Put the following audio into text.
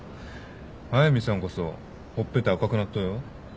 速見さんこそほっぺた赤くなっとうよ。